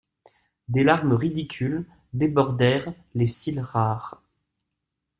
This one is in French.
Des larmes ridicules débordèrent les cils rares.